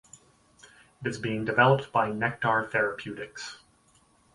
It is being developed by Nektar Therapeutics.